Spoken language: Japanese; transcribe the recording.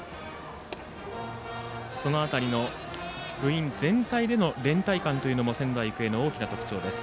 その辺りの部員全体での連帯感も仙台育英の大きな特徴です。